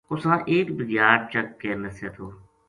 اُساں ایک بھگیاڑ چک کے نسے تھو